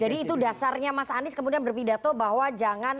jadi itu dasarnya mas anies kemudian berpidato bahwa jangan